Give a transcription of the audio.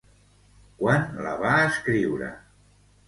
Quan la va escriure?